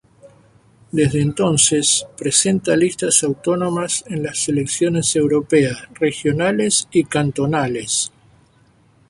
Desde entonces, presenta listas autónomas en las elecciones europeas, regionales y cantonales.